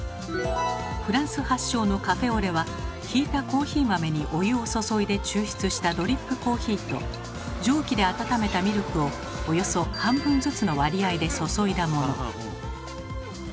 フランス発祥のカフェオレはひいたコーヒー豆にお湯を注いで抽出したドリップコーヒーと蒸気で温めたミルクをおよそ半分ずつの割合で注いだもの。